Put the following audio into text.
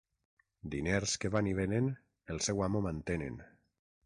Diners que van i venen, el seu amo mantenen.